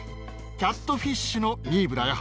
キャットフィッシュのニーヴだよ。